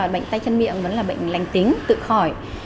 chín mươi chín bệnh tay chân miệng vẫn là bệnh lành tính tự khỏi